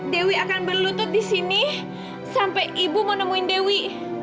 dewi akan berlutut disini sampai ibu mau nemuin dewi